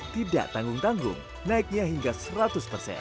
tidak tanggung tanggung naiknya hingga seratus persen